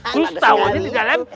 terus tawonnya di dalam